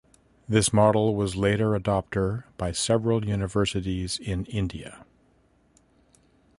This model was later adopter by several universities in India.